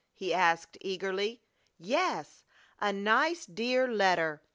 he asked, eagerly. "Yes. A nice, dear letter!"